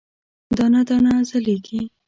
دانه، دانه ځلیږې